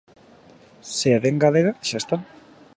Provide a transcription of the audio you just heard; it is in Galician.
Se é de engádega xa está.